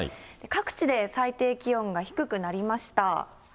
各地で最低気温が低くなりました。